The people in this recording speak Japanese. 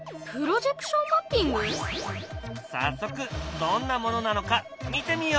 早速どんなものなのか見てみよう！